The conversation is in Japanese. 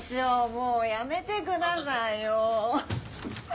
もうやめてくださいよ。